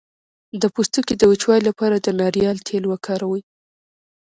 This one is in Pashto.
د پوستکي د وچوالي لپاره د ناریل تېل وکاروئ